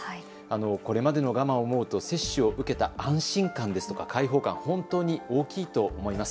これまでの我慢を思うと接種を受けた安心感ですとか開放感、本当に大きいと思います。